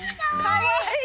かわいい！